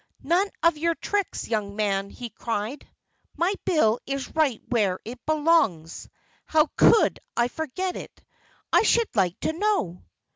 "None of your tricks, young man!" he cried. "My bill is right where it belongs. How could I forget it, I should like to know?"